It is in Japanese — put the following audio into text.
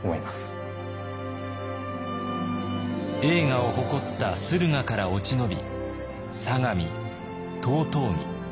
栄華を誇った駿河から落ち延び相模遠江京